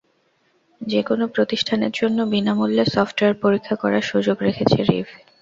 যেকোনো প্রতিষ্ঠানের জন্য বিনা মূল্যে সফটওয়্যার পরীক্ষা করার সুযোগ রেখেছে রিভ।